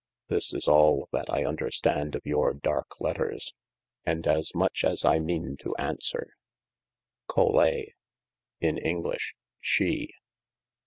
This is all that I understand of your darke letters: and as much as I meane to answere. Colei: in english: SHE.